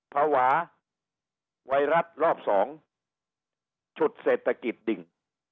ภาวะไวรัสรอบ๒ฉุดเศรษฐกิจดิ่ง